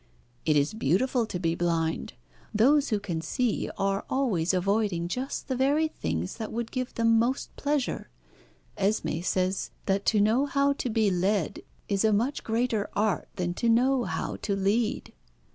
"It is beautiful to be blind. Those who can see are always avoiding just the very things that would give them most pleasure. Esmé says that to know how to be led is a much greater art than to know how to lead."